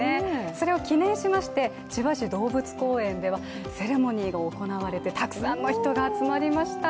それを記念しまして、千葉市動物公園ではセレモニーが行われてたくさんの人が集まりました。